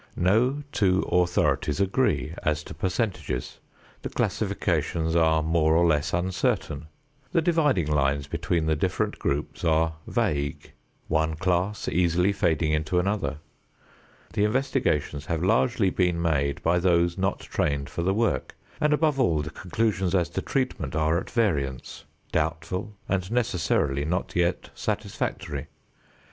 No two authorities agree as to percentages; the classifications are more or less uncertain; the dividing lines between the different groups are vague, one class easily fading into another. The investigations have largely been made by those not trained for the work, and above all the conclusions as to treatment are at variance, doubtful and necessarily not yet satisfactory.